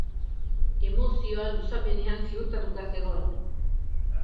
Emozioa luzapenean ziurtatuta zegoen.